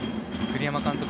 栗山監督